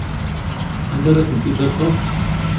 Anda ara tent-id-afeɣ?